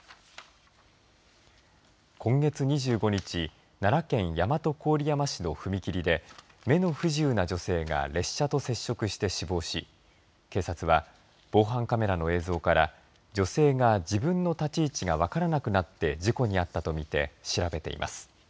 今月２５日奈良県大和郡山市の踏切で目の不自由な女性が列車と接触して死亡し警察は防犯カメラの映像から女性が自分の立ち位置が分からなくなって事故に遭ったと見て調べています。